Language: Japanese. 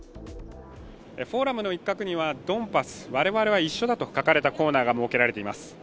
フォーラムの一角にはドンバス、我々は一緒だと書かれたコーナーが設けられています。